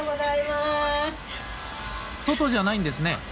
外じゃないんですね。